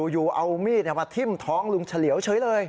อยู่เอามีดมาทิ้มท้องลุงเฉลียวเฉยเลย